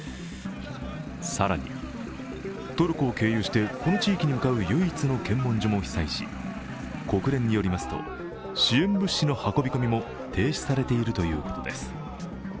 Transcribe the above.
更に、トルコを経由してこの地域に向かう唯一の検問所も被災し国連によりますと支援物資の運び込みも停止されているということです。